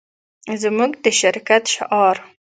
زموږ د شرکت شعار